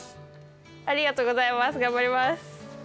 ありがとうございます頑張ります